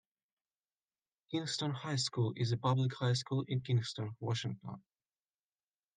Kingston High School is a public high school in Kingston, Washington.